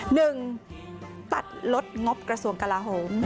หนึ่งตัดลดงบกระทรวงกลาโหม